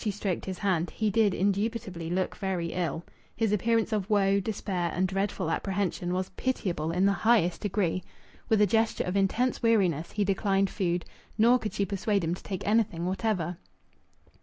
She stroked his hand. He did indubitably look very ill. His appearance of woe, despair, and dreadful apprehension was pitiable in the highest degree. With a gesture of intense weariness he declined food, nor could she persuade him to take anything whatever.